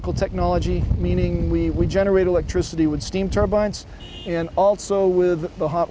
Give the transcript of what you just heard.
maksudnya kita menghasilkan elektrik dengan turbin panas dan air panas